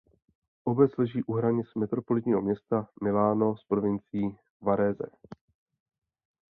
Obec leží u hranic metropolitního města Milano s provincií Varese.